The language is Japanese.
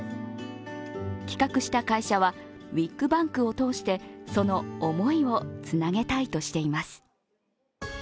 企画した会社はウイッグバンクを通してその思いをつなげたいとしています。